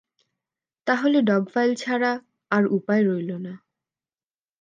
তাহলে ডগ ফাইল ছাড়া আর উপায় রইলো না।